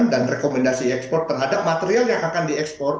dan rekomendasi ekspor terhadap material yang akan diekspor